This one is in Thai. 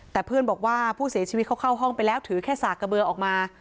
แต่เพื่อนบอกว่าผู้เสียชีวิตเขาเข้าห้องไปแล้วถือแค่สากกระเบือออกมา